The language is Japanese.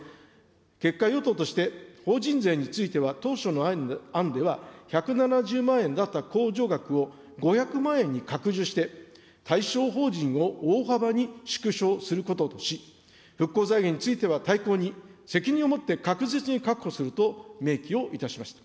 結果、与党として、法人税については当初の案では、１７０万円だった控除額を５００万円に拡充して、対象法人を大幅に縮小することとし、復興財源については大綱に、責任を持って確実に確保すると明記をいたしました。